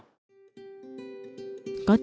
có thể thử thách